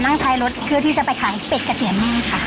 นั่งท้ายรถเพื่อที่จะไปขายเป็ดกับเตี๋ยวแม่ค่ะ